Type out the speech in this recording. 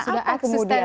ya sudah eksistensi ya